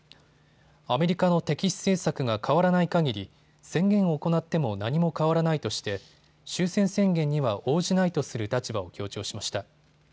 アメリカの敵視政策が変わらないかぎり宣言を行っても何も変わらないとして終戦宣言には応じないとする立場を強調しました。